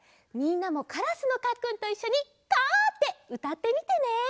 みんなもカラスのかっくんといっしょに「カァ」ってうたってみてね！